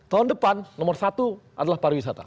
tahun depan nomor satu adalah pariwisata